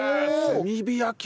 炭火焼き？